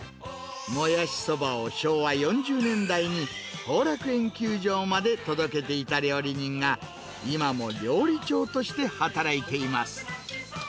もやしそばを昭和４０年代に、後楽園球場まで届けていた料理人が、今も料理長として働いています。